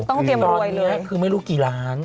ต้องเตรียมรวยเลยก็คือไม่รู้กี่ล้าน